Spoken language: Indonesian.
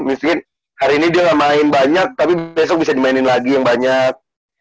miskin hari ini dia nggak main banyak tapi besok bisa dimainin lagi yang banyak